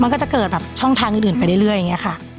มันก็จะเกิดแบบช่องทางอื่นไปเรื่อยอย่างนี้ค่ะ